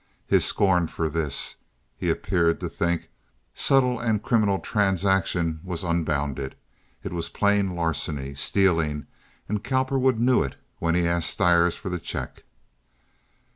His scorn for this (as he appeared to think) subtle and criminal transaction was unbounded. It was plain larceny, stealing, and Cowperwood knew it when he asked Stires for the check.